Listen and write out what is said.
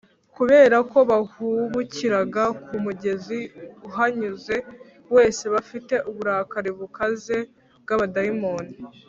kubera ko bahubukiraga ku mugenzi uhanyuze wese bafite uburakari bukaze bw’abadayimoni